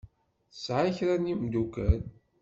Tesεa kra n yemdukal.